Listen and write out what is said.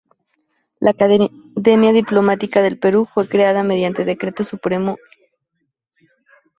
La "Academia Diplomática del Perú" fue creada mediante Decreto Supremo Nro.